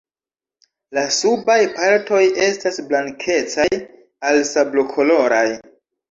La subaj partoj estas blankecaj al sablokoloraj.